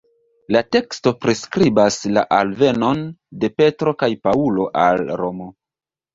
La teksto priskribas la alvenon de Petro kaj Paŭlo al Romo.